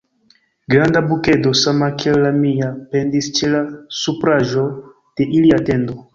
Granda bukedo, sama kiel la mia, pendis ĉe la supraĵo de ilia tendo.